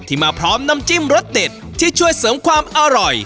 มาพร้อมน้ำจิ้มรสเด็ดที่ช่วยเสริมความอร่อย